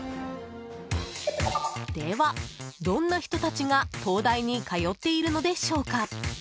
では、どんな人たちが東大に通っているのでしょうか。